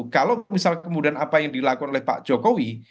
kalau misal kemudian apa yang dilakukan oleh pak jokowi